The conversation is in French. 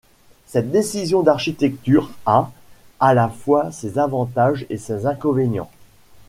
Cette décision d'architecture a à la fois ses avantages et ses inconvénients.